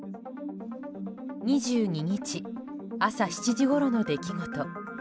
２２日、朝７時ごろの出来事。